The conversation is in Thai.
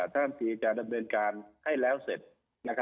ท่านตรีจะดำเนินการให้แล้วเสร็จ